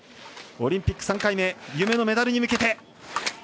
オリンピック３回目夢のメダルに向けて。